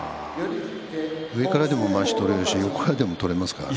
上からでも、まわしが取れるし横からでも取れますからね。